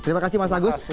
terima kasih mas agus